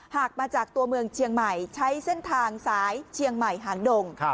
หากมาจากตัวเมืองเชียงใหม่ใช้เส้นทางสายเชียงใหม่หางดง